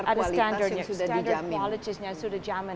ada standar kualitas yang sudah dijamin